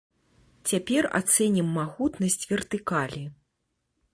Цяпер ацэнім магутнасць вертыкалі.